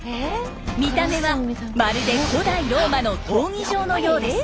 見た目はまるで古代ローマの闘技場のようです。